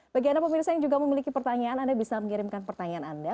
bagi anda pemirsa yang juga memiliki pertanyaan anda bisa mengirimkan pertanyaan anda